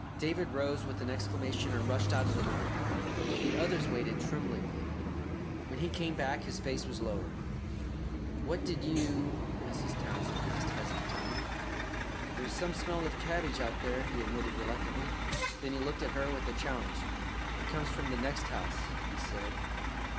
David rose with an exclamation and rushed out of the room. The others waited tremblingly. When he came back his face was lowering. "What did you " Mrs. Townsend asked hesitatingly. "There's some smell of cabbage out there," he admitted reluctantly. Then he looked at her with a challenge. "It comes from the next house," he said.